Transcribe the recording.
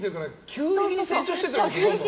急激に成長してて。